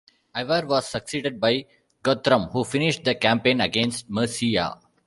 Ivar was succeeded by Guthrum, who finished the campaign against Mercia.